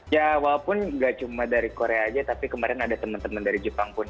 ya walaupun nggak cuma dari korea aja tapi kemarin ada teman teman dari jepang pun